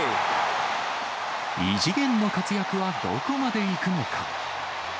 異次元の活躍はどこまでいくのか。